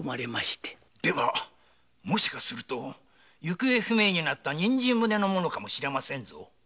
では行方不明になった人参船のものかもしれませんぞ。